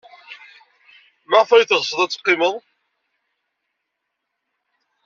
Maɣef ay teɣsed ad teqqimed?